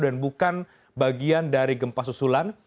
dan bukan bagian dari gempa susulan